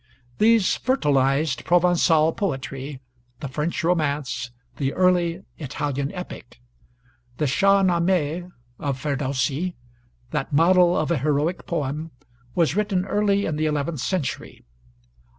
These fertilized Provençal poetry, the French romance, the early Italian epic. The 'Shah nameh' of Firdausi, that model of a heroic poem, was written early in the eleventh century.